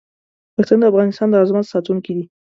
پښتانه د افغانستان د عظمت ساتونکي دي.